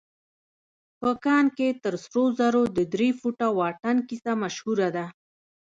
په کان کې تر سرو زرو د درې فوټه واټن کيسه مشهوره ده.